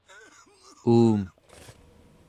uum